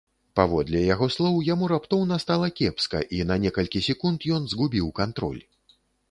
Паводле яго слоў, яму раптоўна стала кепска і на некалькі секунд ён згубіў кантроль.